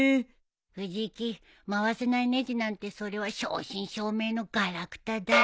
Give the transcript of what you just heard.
藤木回せないねじなんてそれは正真正銘のガラクタだよ。